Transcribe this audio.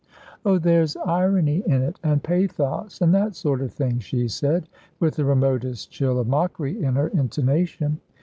"Oh, there's irony in it, and pathos, and that sort of thing," she said, with the remotest chill of mockery in her intonation.